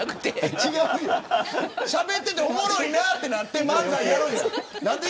しゃべっていておもろいなとなって漫才やろうって。